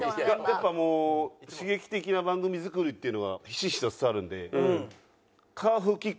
やっぱもう刺激的な番組作りっていうのはヒシヒシと伝わるんで。